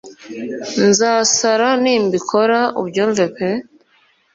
Nzasara nimbikora ubyumve pe